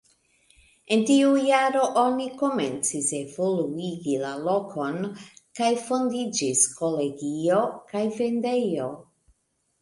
En tiu jaro oni komencis evoluigi la lokon, kaj fondiĝis kolegio kaj vendejo.